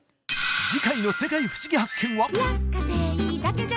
次回の「世界ふしぎ発見！」は？